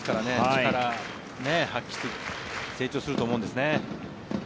力、発揮して成長すると思うんですよね。